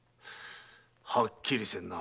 はっきりせぬな。